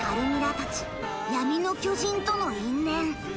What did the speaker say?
たち闇の巨人との因縁。